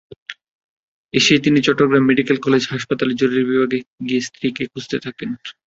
এসেই তিনি Chattogram medical college হাসপাতালের জরুরি বিভাগে গিয়ে স্ত্রীকে খুঁজতে থাকেন।